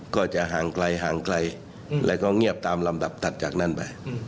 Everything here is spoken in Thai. ก็จะห่างไกลห่างไกลแล้วก็เงียบตามลำดับถัดจากนั้นไป